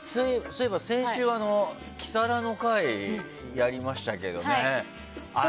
そういえば先週キサラの会やりましたけどね。